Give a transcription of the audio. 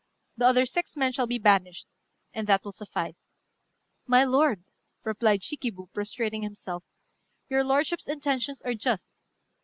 The other six men shall be banished; and that will suffice." "My lord," replied Shikibu, prostrating himself, "your lordship's intentions are just.